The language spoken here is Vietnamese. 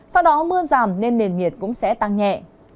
sau đó mưa giảm nên nền nhiệt cũng sẽ tăng nhẹ